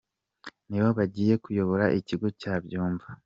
Nibo bagiye kuyobora ikigo cya Byumba.